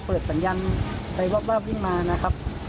เปิดสัญญาณไปวาบวิ่งมานะครับ